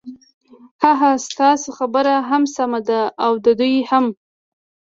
ههه ستا خبره هم سمه ده او د دوی هم.